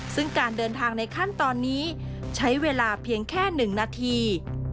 ซึ่งการเดินทางในขั้นตอนนี้ใช้เวลาเพียงแค่๑นาที